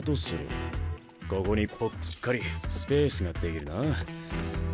ここにぽっかりスペースが出来るな。